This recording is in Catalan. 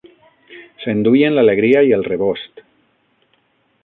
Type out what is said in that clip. S'enduien l'alegria i el rebost